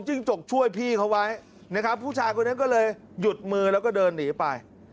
จกช่วยพี่เขาไว้นะครับผู้ชายคนนั้นก็เลยหยุดมือแล้วก็เดินหนีไป